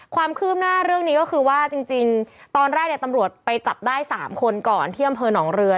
ความคืบหน้าเรื่องนี้ก็คือว่าจริงตอนแรกเนี่ยตำรวจไปจับได้๓คนก่อนที่อำเภอหนองเรือ